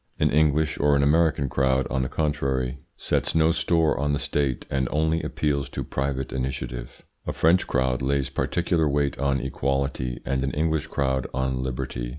An English or an American crowd, on the contrary, sets no store on the State, and only appeals to private initiative. A French crowd lays particular weight on equality and an English crowd on liberty.